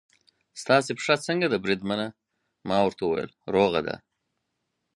ستاسې پښه څنګه ده بریدمنه؟ ما ورته وویل: روغه ده.